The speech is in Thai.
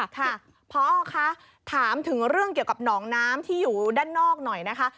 ค่ะพอคะถามถึงเรื่องเกี่ยวกับหนองน้ำที่อยู่ด้านนอกหน่อยนะคะ